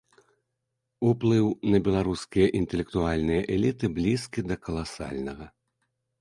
Уплыў на беларускія інтэлектуальныя эліты блізкі да каласальнага.